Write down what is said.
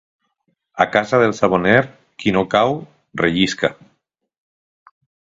A casa del saboner, qui no cau, rellisca.